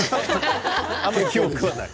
あんまり記憶はない？